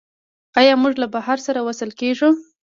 آیا موږ له بحر سره وصل کیږو؟